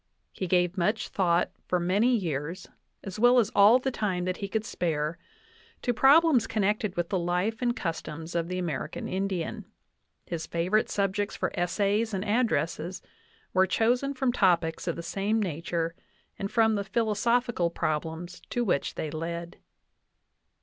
He gave much thought for many years, as well as all the time that he could spare, to problems connected with the life and customs of the American Indian; his favorite subjects for essays and addresses were chosen from topics of the same nature and from the philosophical problems to which they led.